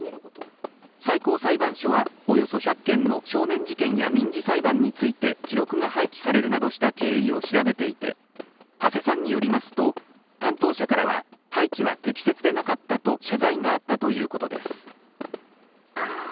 最高裁判所はおよそ１００件の少年事件や民事裁判について記録が廃棄されるなどした経緯を調べていて、土師さんによりますと、担当者からは、廃棄は適切でなかったと謝罪があったということです。